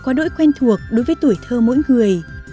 quá đỗi quen thuộc đối với tuổi thơ mỗi người